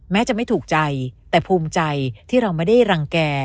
แม้จะไม่ถูกใจแต่ภูมิใจที่เราไม่ได้รังแก่